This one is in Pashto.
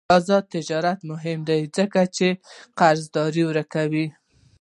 آزاد تجارت مهم دی ځکه چې قرضې ورکوي.